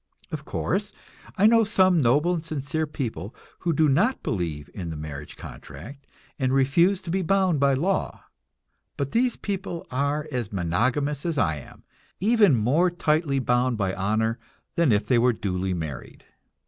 Of course, I know some noble and sincere people who do not believe in the marriage contract, and refuse to be bound by law; but these people are as monogamous as I am, even more tightly bound by honor than if they were duly married.